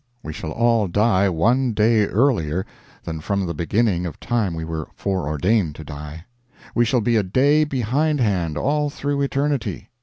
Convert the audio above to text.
We shall all die one day earlier than from the beginning of time we were foreordained to die. We shall be a day behindhand all through eternity.